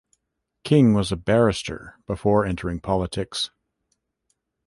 King was a barrister before entering politics.